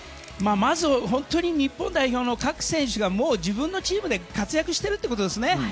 まず、本当に日本代表の各選手がもう自分のチームで活躍してるってことですね。